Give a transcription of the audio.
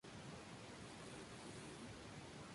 Alcanzan la madurez sexual entre los cinco y los nueve años.